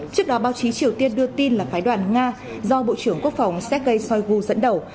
trước đó báo chí triều tiên đưa tin là phái đoàn nga do bộ trưởng quốc phòng sergei shoigu dẫn đầu